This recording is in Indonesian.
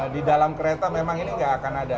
di dalam kereta memang ini nggak akan ada